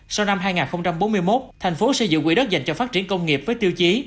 sau năm hai nghìn bốn mươi một thành phố sẽ giữ quỹ đất dành cho phát triển công nghiệp với tiêu chí